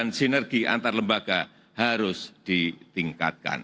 ego sektoral yang terkotak kotak tidak relevan lagi dan harus ditinggalkan